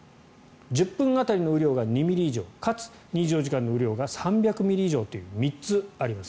１０分当たりの雨量が２ミリ以上かつ２４時間の雨量が３００ミリ以上という３つあります。